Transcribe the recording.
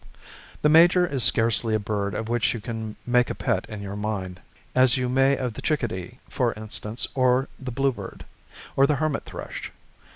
The major is scarcely a bird of which you can make a pet in your mind, as you may of the chickadee, for instance, or the bluebird, or the hermit thrush.